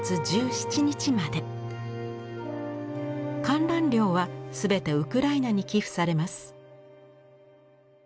観覧料は全てウクライナに寄付されます。